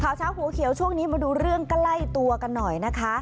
เช้าหัวเขียวช่วงนี้มาดูเรื่องใกล้ตัวกันหน่อยนะคะ